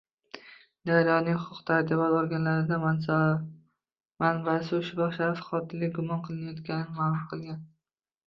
“Daryo”ning huquq-tartibot organlaridagi manbasi ushbu shaxs qotillikda gumon qilinayotganini ma’lum qilgan